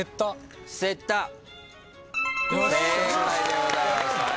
正解でございます。